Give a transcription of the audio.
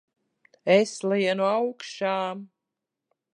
Es lienu augšā!